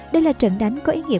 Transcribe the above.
đây là trận đánh có ý nghĩa